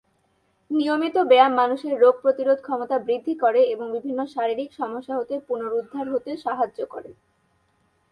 নিয়মিত ব্যায়াম মানুষের রোগ প্রতিরোধ ক্ষমতা বৃদ্ধি করে এবং বিভিন্ন শারীরিক সমস্যা হতে পুনরুদ্ধার হতে সাহায্য করে।